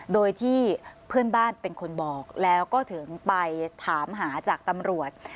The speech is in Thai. โดยที่เพื่อนบ้านเป็นคนบอกแล้วก็ถึงไปถามหาจากตำรวจ